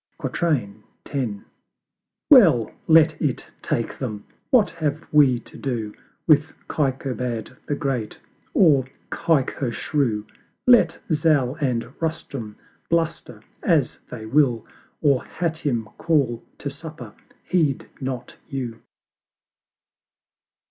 X. Well, let it take them! What have we to do With Kaikobad the Great, or Kaikhosru? Let Zal and Rustum bluster as they will, Or Hatim call to Supper heed not you.